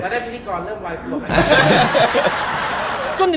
มาได้พิธีกรเลือกไว้ป่วยไหม